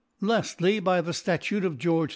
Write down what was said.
Laftly, By the Statute of Gtorgt II.